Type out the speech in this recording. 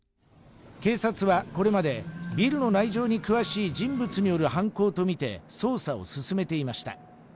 警察はこれまでビルの内情に詳しい人物による犯行とみて捜査を進めていました